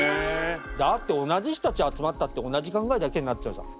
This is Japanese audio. だって同じ人たち集まったって同じ考えだけになっちゃうじゃん。